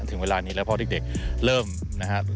ถึงเวลานี้แล้วพ่อเด็กเริ่มนะครับ